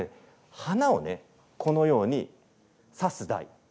花をこのようにさす台です。